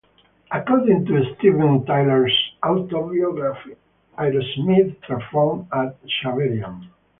According to Steven Tyler's autobiography, Aerosmith performed at Xaverian.